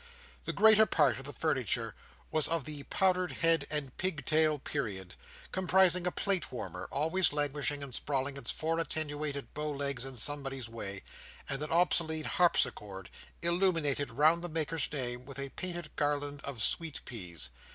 The greater part of the furniture was of the powdered head and pig tail period: comprising a plate warmer, always languishing and sprawling its four attenuated bow legs in somebody's way; and an obsolete harpsichord, illuminated round the maker's name with a painted garland of sweet peas.